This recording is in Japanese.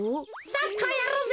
サッカーやろうぜ。